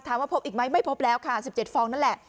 ถามว่าพบอีกไหมไม่พบแล้วค่ะสิบเจ็ดฟองนั่นแหละ